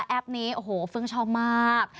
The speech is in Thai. แอปนี้โอ้โฮฟึ้งชอบมาก